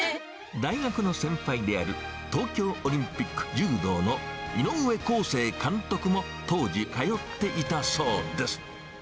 大学の先輩である東京オリンピック柔道の井上康生監督も当時通っていたそうです。